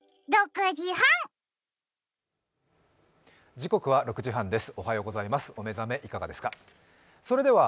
時刻は６時半です。